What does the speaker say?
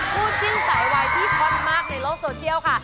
คู่จิ้นสายวัยที่ฮอตมากในโลกโซเชียลค่ะ